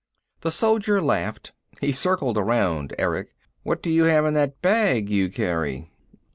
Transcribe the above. The soldier laughed. He circled around Erick. "What do you have in that bag you carry?"